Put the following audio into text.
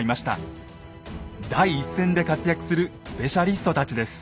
第一線で活躍するスペシャリストたちです。